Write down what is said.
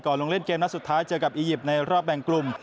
ลงเล่นเกมนัดสุดท้ายเจอกับอียิปต์ในรอบแบ่งกลุ่ม